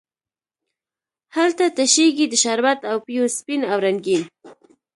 هلته تشیږې د شربت او پېو سپین او رنګین،